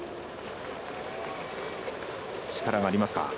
力がありますか。